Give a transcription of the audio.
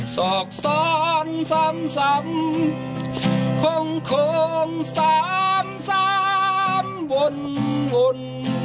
ศอกซ้อนซ้ำคงซ้ำวน